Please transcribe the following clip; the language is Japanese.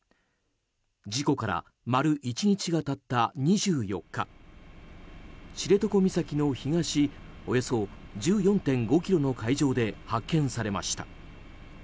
事故から丸１日が経った２４日知床岬の東およそ１４．５ｋｍの海上で発見されました。